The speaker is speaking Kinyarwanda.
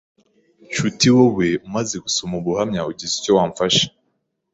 Nshuti wowe umaze gusoma ubu buhamya ugize icyo wamfasha